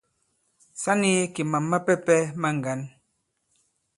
Sa nīgī kì màm mapɛ̄pɛ̄ ma ŋgǎn.